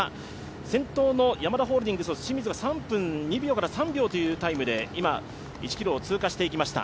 先頭のヤマダホールディングスの清水が３分２秒から３秒というタイムで今、１ｋｍを通過していきました。